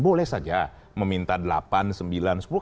boleh saja meminta delapan sembilan sepuluh